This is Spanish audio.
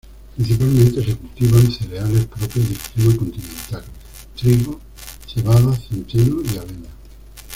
Principalmente, se cultivan cereales propios del clima continental: trigo, cebada, centeno y avena.